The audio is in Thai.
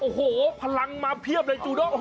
โอ้โหพลังมาเพียบเลยจูด้ง